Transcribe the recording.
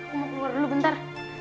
mau keluar dulu bentar